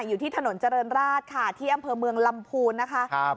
อยู่ที่ถนนเจริญราชค่ะที่อำเภอเมืองลำพูนนะคะครับ